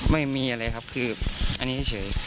ไม่มีอะไรครับคืออันนี้เฉย